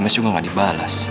di sms juga tidak dibalas